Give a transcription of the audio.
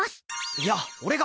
いや俺が！